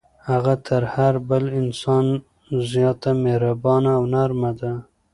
هغه تر هر بل انسان زیاته مهربانه او نرمه ده.